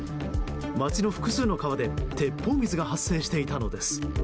街の複数の川で鉄砲水が発生していたのです。